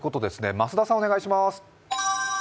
増田さん、お願いします。